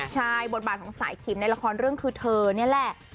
ใช่บทบาทของสายขิมในละครเรื่องคือเธอนี่แหละ